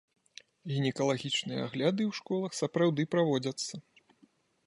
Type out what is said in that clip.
Гінекалагічныя агляды ў школах сапраўды праводзяцца.